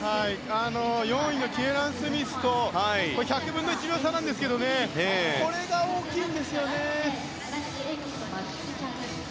４位のキエラン・スミスと１００分の１秒差なんですけどこれが大きいんですよね。